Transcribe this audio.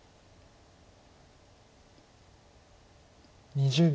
２０秒。